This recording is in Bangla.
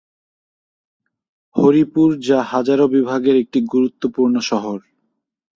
হরিপুর যা হাজারা বিভাগের একটি গুরুত্বপূর্ণ শহর।